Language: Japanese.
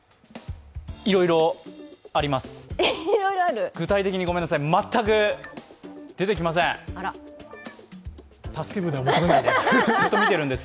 いろいろあります。